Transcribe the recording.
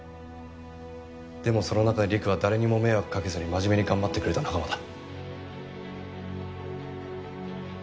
でもその中でりくは誰にも迷惑かけずに真面目に頑張ってくれた仲間だ。